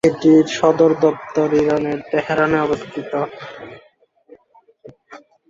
এটির সদরদপ্তর ইরানের, তেহরানে অবস্থিত।